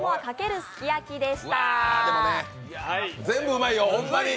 全部うまいよ、ホンマに！